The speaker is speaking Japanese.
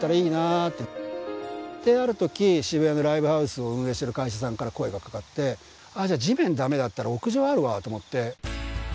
である時渋谷でライブハウスを運営してる会社さんから声が掛かってじゃあ地面ダメだったら屋上あるわと思って。